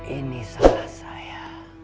ini salah saya